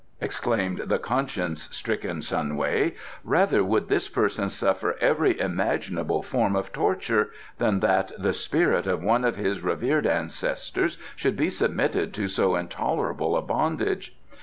exclaimed the conscience stricken Sun Wei; "rather would this person suffer every imaginable form of torture than that the spirit of one of his revered ancestors should be submitted to so intolerable a bondage.